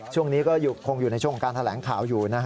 ช่วงนี้ก็คงอยู่ในช่วงของการแถลงข่าวอยู่นะฮะ